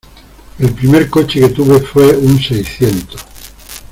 El primer coche que tuve fue un seiscientos.